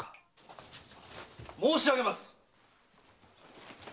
申しあげます！